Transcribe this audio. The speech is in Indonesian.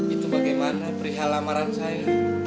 itu bagaimana perihal lamaran saya